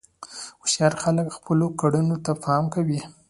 هوښیار خلک خپلو کړنو ته پام کوي.